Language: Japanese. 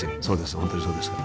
本当にそうですから。